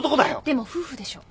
でも夫婦でしょう。